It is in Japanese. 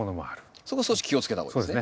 そこ少し気をつけた方がいいですね。